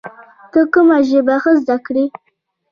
ته کوم ژبه ښه زده کړې؟